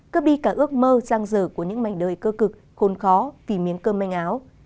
cướp đi cả ước mơ trang dở của những mảnh đời cơ cực khôn khó vì miếng cơm manh áo